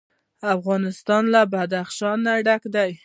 افغانستان له بدخشان ډک دی.